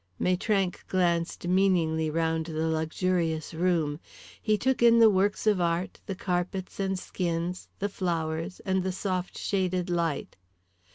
Maitrank glanced meaningly round the luxurious room. He took in the works of art, the carpets and skins, the flowers, and the soft shaded light.